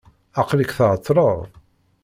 Aqel-ik tɛeṭleḍ.